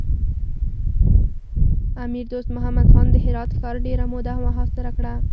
امیر دوست محمد خان د هرات ښار ډېره موده محاصره کړ.